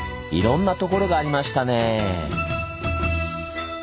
いろんなところがありましたね。